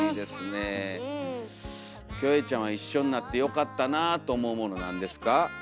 キョエちゃんは一緒になってよかったなぁと思うものなんですか？